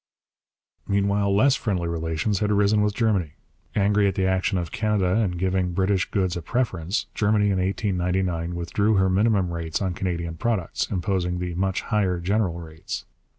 Meanwhile less friendly relations had arisen with Germany. Angry at the action of Canada in giving British goods a preference, Germany in 1899 withdrew her minimum rates on Canadian products, imposing the much higher general rates.